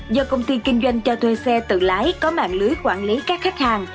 do công ty kinh doanh cho thuê xe tự lái có mạng lưới quản lý các khách hàng